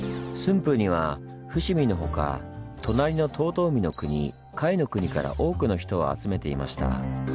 府には伏見の他隣の遠江国甲斐国から多くの人を集めていました。